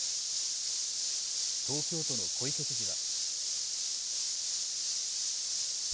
東京都の小池知事は。